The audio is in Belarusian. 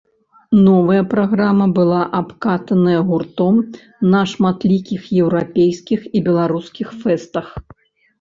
Новая праграма была абкатаная гуртом на шматлікіх еўрапейскіх і беларускіх фэстах.